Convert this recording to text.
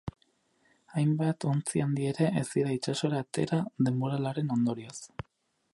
Hainbat ontzi handi ere, ez dira itsasora atera, denboralearen ondorioz.